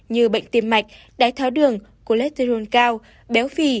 như bệnh tim mạch đái tháo đường cholesterol cao béo phì